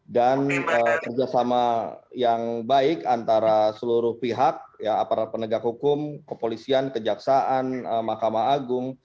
dan kerjasama yang baik antara seluruh pihak aparat penegak hukum kepolisian kejaksaan mahkamah agung